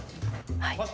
はい。